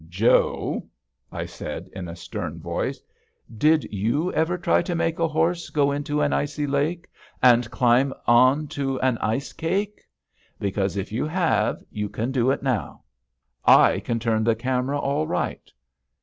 "Joe," I said, in a stern voice, "did you ever try to make a horse go into an icy lake and climb on to an ice cake? Because if you have, you can do it now. I can turn the camera all right.